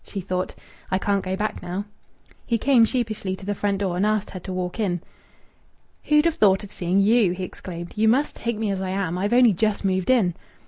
She thought, "I can't go back now." He came sheepishly to the front door and asked her to walk in. "Who'd have thought of seeing you?" he exclaimed. "You must take me as I am. I've only just moved in."